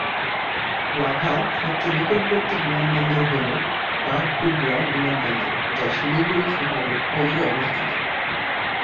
লাভার সবচেয়ে নিকটবর্তী বিমানবন্দর হলো বাগডোগরা বিমানবন্দর, যা শিলিগুড়ি শহরের অদূরে অবস্থিত।